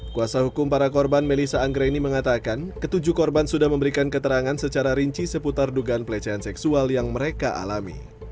kuasa hukum para korban melissa anggreni mengatakan ketujuh korban sudah memberikan keterangan secara rinci seputar dugaan pelecehan seksual yang mereka alami